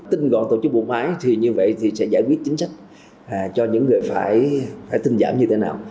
tinh gọn tổ chức bộ máy thì như vậy thì sẽ giải quyết chính sách cho những người phải tinh giảm như thế nào